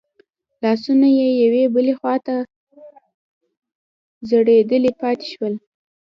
لاسونه يې يوې بلې خواته ځړېدلي پاتې شول.